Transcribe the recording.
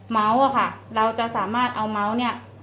เมาส์อะค่ะเราจะสามารถเอาเมาส์เนี่ย